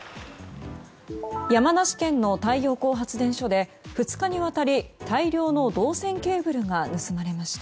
山梨県の太陽光発電所で２日にわたり、大量の銅線ケーブルが盗まれました。